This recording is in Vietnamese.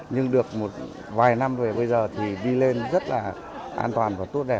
nhưng được một vài năm về bây giờ thì đi lên rất là an toàn